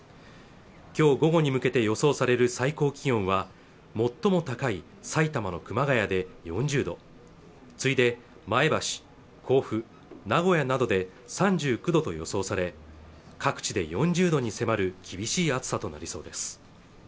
今日午後に向けて予想される最高気温は最も高い埼玉の熊谷で４０度次いで前橋、甲府、名古屋などで３９度と予想され各地で４０度に迫る厳しい暑さとなりそうです